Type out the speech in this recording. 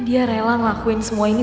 dia rela lakuin semua ini